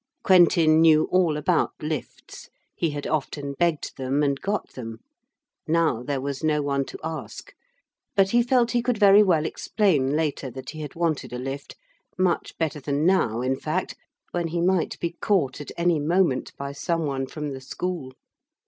Quentin knew all about lifts. He had often begged them and got them. Now there was no one to ask. But he felt he could very well explain later that he had wanted a lift, much better than now, in fact, when he might be caught at any moment by some one from the school.